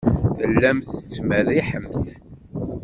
Tellamt tettmerriḥemt.